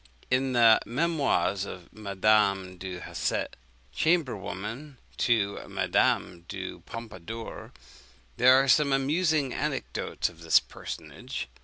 In the Memoirs of Madame du Hausset, chamber woman to Madame du Pompadour, there are some amusing anecdotes of this personage.